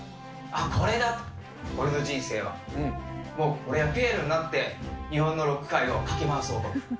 あっ、これだ、俺の人生は、もう俺はピエロになって、日本のロック界をかき回そうと。